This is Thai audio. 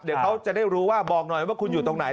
เดี๋ยวเขาจะได้รู้ว่าบอกหน่อยว่าคุณอยู่ตรงไหน